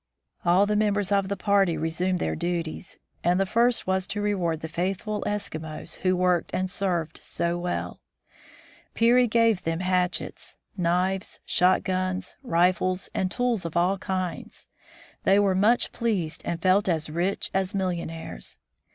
All the members of the party resumed their duties, and the first was to reward the faithful Eskimos who had 1 68 THE FROZEN NORTH worked and served so well. Peary gave them hatchets, knives, shot guns, rifles, and tools of all kinds. They were much pleased and felt as rich as millionaires.